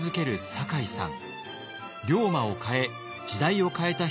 酒井さん